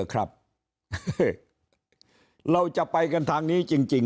เราจะไปกันทางนี้จริง